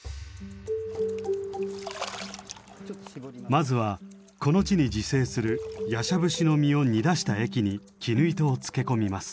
まずはこの地に自生するヤシャブシの実を煮出した液に絹糸をつけ込みます。